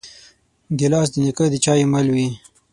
ګیلاس د نیکه د چایو مل وي.